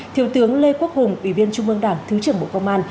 thiếu tướng lê quốc hùng ủy viên trung mương đảng thứ trưởng bộ công an